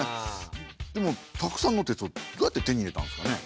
でもたくさんの鉄をどうやって手に入れたんですかね？